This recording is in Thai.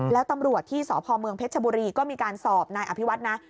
แล้วตำรวจที่สพเมืองเพชรชบุรีก็มีการสอบนายอภิวัฒน์นะ